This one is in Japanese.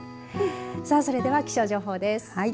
さあそれでは気象情報です。